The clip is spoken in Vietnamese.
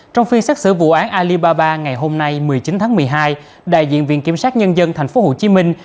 trong phiên xét xử vụ án alibaba ngày hôm nay một mươi chín tháng một mươi hai đại diện viện kiểm sát nhân dân thành phố hồ chí minh